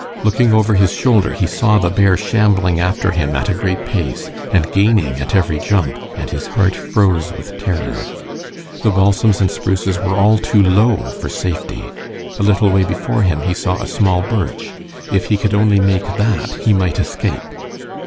Looking over his shoulder, he saw the bear shambling after him at a great pace, and gaining at every jump, and his heart froze with terror. The balsams and spruces were all too low for safety. A little way before him he saw a small birch. If he could only make that he might escape.